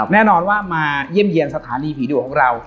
แน่นอนว่ามาเยี่ยมเยี่ยมสถานีผีดุของเรา